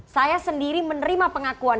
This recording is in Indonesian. saya sendiri menerima pengakuan